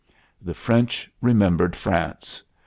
The French remembered France.